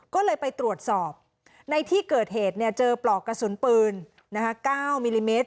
ก็เลยไปตรวจสอบในที่เกิดเหตุเจอปลอกกระสุนปืน๙มิลลิเมตร